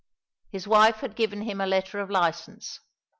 His wife had given him a letter of license.